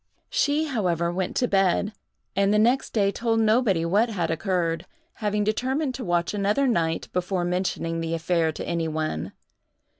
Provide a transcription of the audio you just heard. She however went to bed, and the next day told nobody what had occurred, having determined to watch another night before mentioning the affair to any one.